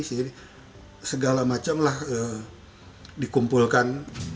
sebenarnya segala macamlah dikumpulkan